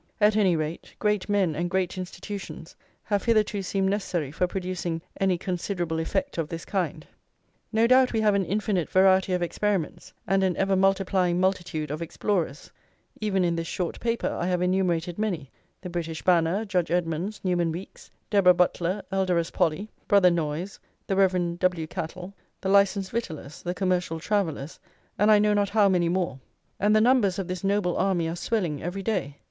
At any rate, great men and great institutions have hitherto seemed necessary for producing any considerable effect of this kind. No doubt we have an infinite variety of experiments, and an ever multiplying multitude of explorers; even in this short paper I have enumerated many: the British Banner, Judge Edmonds, Newman Weeks, Deborah Butler, Elderess Polly, Brother Noyes, the Rev. W. Cattle, the Licensed Victuallers, the Commercial Travellers, and I know not how many more; and the numbers of this noble army are swelling every day.